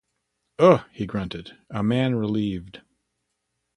“Ugh!” he grunted, a man relieved.